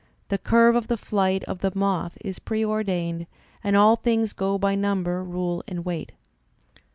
The curve of the flight of the moth is preordained, and all things go by number, rule and weight."